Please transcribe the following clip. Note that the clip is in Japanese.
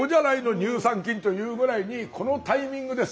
乳酸菌」というぐらいにこのタイミングです。